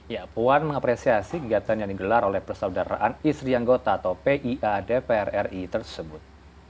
ya puan mengapresiasi kegiatan yang digelar oleh persaudaraan istri anggota atau pia dpr ri tersebut